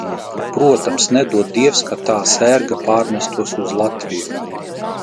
Protams, nedod Dievs, ka tā sērga pārmestos uz Latviju!